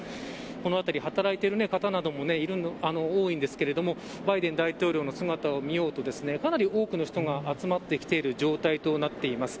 この辺り働いている方なども多いんですがバイデン大統領の姿を見ようとかなり多くの人が集まってきている状態となっています。